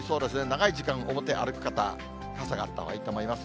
長い時間、表歩く方、傘があったほうがいいと思います。